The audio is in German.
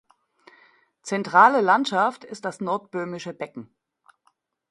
Zentrale Landschaft ist das Nordböhmische Becken.